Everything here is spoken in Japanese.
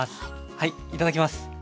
はいいただきます。